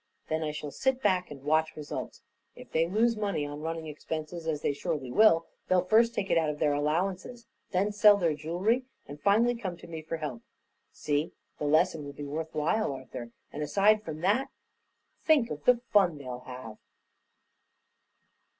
Then I shall sit back and watch results. If they lose money on running expenses, as they surely will, they'll first take it out of their allowances, then sell their jewelry, and finally come to me for help. See? The lesson will be worth while, Arthur, and aside from that think of the fun they'll have!"